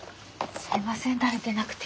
すいません慣れてなくて。